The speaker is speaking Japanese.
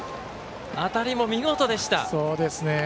当たりも見事でした。